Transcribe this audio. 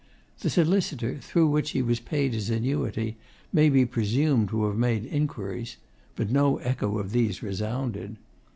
The solicitor through whom he was paid his annuity may be presumed to have made inquiries, but no echo of these resounded.